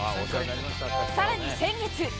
さらに先月。